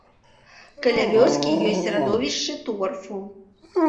Каля вёскі ёсць радовішчы торфу.